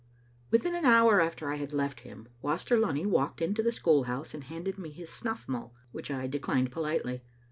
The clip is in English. Within an hour after I had left him, Waster Lunny walked into the school house and handed me his snuflF mull, which I declined politely.